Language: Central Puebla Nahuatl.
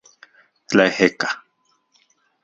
Tlaejeka.